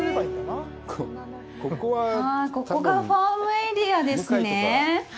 あ、ここがファームエリアですね。